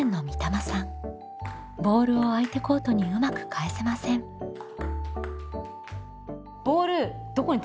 ボールを相手コートにうまく返せません。ね！